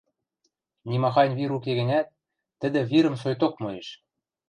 Нимахань вир уке гӹнят, тӹдӹ вирӹм сойток моэш.